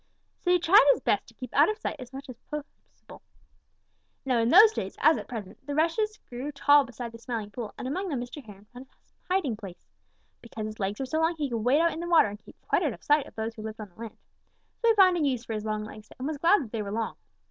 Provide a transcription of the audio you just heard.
"So he tried his best to keep out of sight as much as possible. Now in those days, as at present, the rushes grew tall beside the Smiling Pool, and among them Mr. Heron found a hiding place. Because his legs were long, he could wade out in the water and keep quite out of sight of those who lived on the land. So he found a use for his long legs and was glad that they were long.